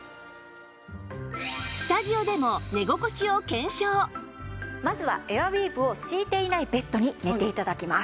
さあまずはエアウィーヴを敷いていないベッドに寝て頂きます。